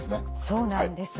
そうなんです。